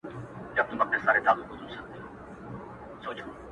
• ستا د ميني پـــه كـــورگـــي كـــــي.